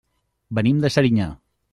Venim de Serinyà.